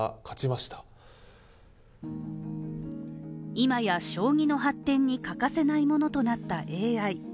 今や将棋の発展に欠かせないものとなったＡＩ。